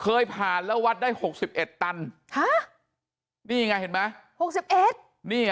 เคยผ่านแล้ววัดได้๖๑ตันฮะนี่ไงเห็นไหมหกสิบเอ็ดนี่